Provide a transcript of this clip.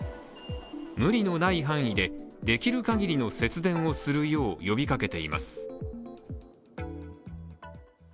無理のない範囲で、できる限りの節電をするよう呼びかけています。